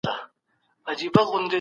دولت د بشري حقوقو ساتنه کوي.